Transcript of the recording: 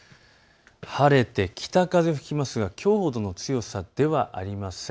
晴れて北風が吹きますがきょうほどの強さではありません。